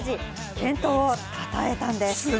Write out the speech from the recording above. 健闘をたたえたんです。